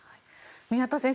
宮田先生